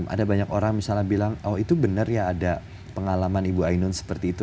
ada banyak orang misalnya bilang oh itu benar ya ada pengalaman ibu ainun seperti itu